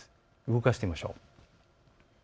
動かしてみましょう。